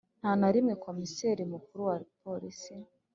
Nta na rimwe Komiseri Mukuru wa Polisi